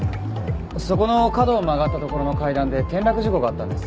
そこの角を曲がった所の階段で転落事故があったんです。